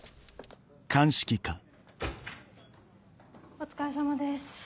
お疲れさまです。